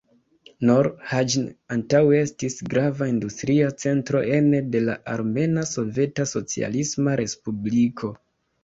Nor Haĝn antaŭe estis grava industria centro ene de la Armena Soveta Socialisma Respubliko.